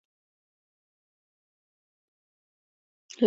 La guerra contra Carlos de Sicilia fue esencial para defender sus dominios.